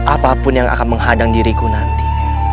apapun yang akan menghadang diriku nanti